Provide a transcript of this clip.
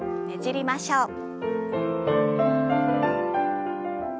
ねじりましょう。